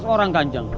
seratus orang kanjeng